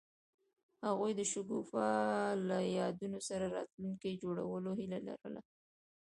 هغوی د شګوفه له یادونو سره راتلونکی جوړولو هیله لرله.